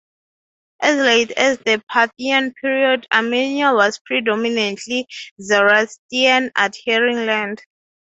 As late as the later Parthian period, Armenia was a predominantly Zoroastian adhering land.